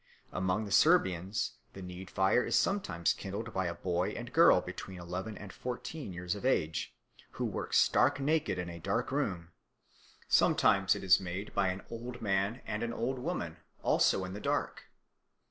Among the Serbians the need fire is sometimes kindled by a boy and girl between eleven and fourteen years of age, who work stark naked in a dark room; sometimes it is made by an old man and an old woman also in the dark.